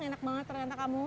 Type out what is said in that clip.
enak banget ternyata kamu